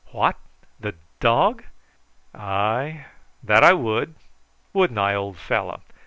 "What! the dog? Ay, that I would; wouldn't I, old fellow?"